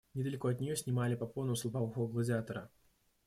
Недалеко от нее снимали попону с лопоухого Гладиатора.